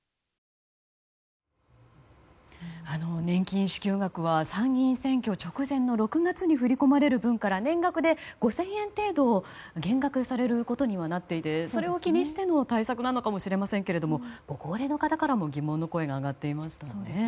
年金支給額は参議院選挙直前の６月に振り込まれる分から年額で５０００円程度減額されることになっていてそれを気にしての対策なのかもしれませんけれどもご高齢の方からも疑問の声が上がっていましたね。